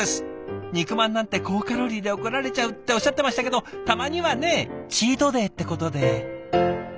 「肉まんなんて高カロリーで怒られちゃう」っておっしゃってましたけどたまにはねチートデーってことで。